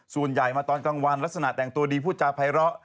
ส่วนใหญ่มาตอนกลางวันลักษณะแต่งตัวดีพูดจาภัยร้อ